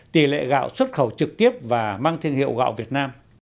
tỷ lệ gạo xuất khẩu trực tiếp và mang thương hiệu gạo việt nam